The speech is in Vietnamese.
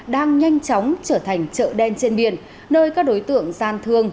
đang nhanh chóng trở thành chợ đen trên biển nơi các đối tượng gian thương